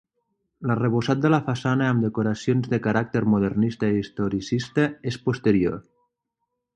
L'arrebossat de la façana amb decoracions de caràcter modernista i historicista és posterior.